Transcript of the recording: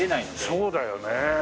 そうだよね。